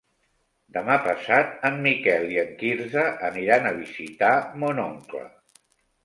Demà passat en Miquel i en Quirze aniran a visitar mon oncle.